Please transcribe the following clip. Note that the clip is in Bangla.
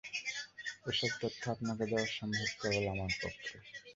এসব তথ্য আপনাকে দেয়া সম্ভব কেবল আমার পক্ষে।